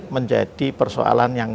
menjadi persoalan yang